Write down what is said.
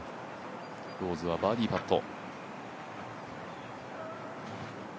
ローズはバーディーパット。